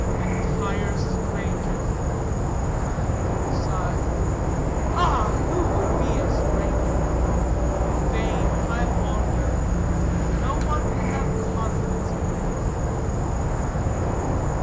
"Entire stranger!" with a sigh. "Ah, who would be a stranger? In vain, I wander; no one will have confidence in me."